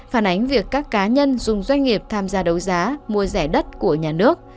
phản ánh việc các cá nhân dùng doanh nghiệp tham gia đấu giá mua rẻ đất của nhà nước